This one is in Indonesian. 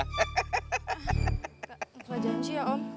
gak ada janji ya om